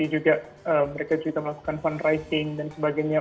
jadi juga mereka juga melakukan fundraising dan sebagainya